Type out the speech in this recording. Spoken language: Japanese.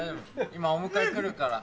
今お迎え来るから。